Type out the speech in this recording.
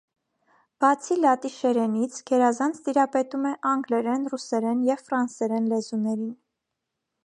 Բացի լատիշերենից, գերազանց տիրապետում է անգլերեն, ռուսերեն և ֆրանսերեն լեզուներին։